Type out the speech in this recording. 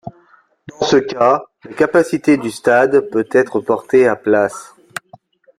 Dans ce cas, la capacité du stade peut être portée à places.